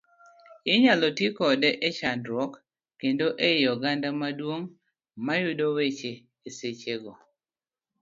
Inyalo ti kode e chakruok, kendo ei oganda maduong' mayudo weche e seche go.